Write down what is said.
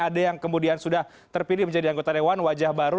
ada yang kemudian sudah terpilih menjadi anggota dewan wajah baru